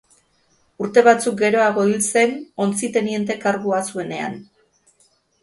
Urte batzuk geroago hil zen, ontzi teniente kargua zuenean.